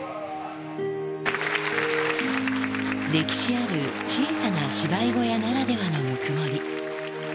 歴史ある小さな芝居小屋ならではのぬくもり。